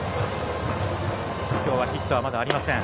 きょうはヒットはまだありません。